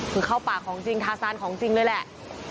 คือเข้าปากของจริงทาซานของจริงเลยแหละ